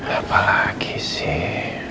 apa lagi sih